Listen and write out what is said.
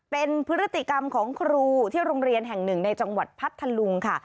เป็นพฤติกรรมของครูที่โรงเรียนแห่งหนึ่งในจังหวัดพัทธลุงค่ะ